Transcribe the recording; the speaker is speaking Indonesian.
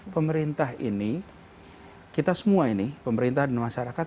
pemerintah ini kita semua ini pemerintah dan masyarakat